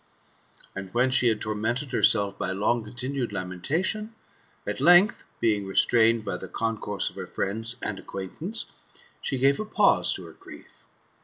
And when she had tormented herself by long<ontinued lamentations, at length being restrained by the concourse of her friends and acquaintance, she gave a pause to her grief.